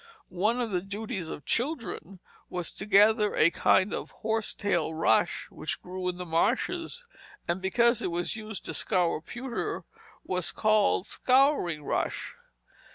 One of the duties of children was to gather a kind of horse tail rush which grew in the marshes, and because it was used to scour pewter, was called scouring rush.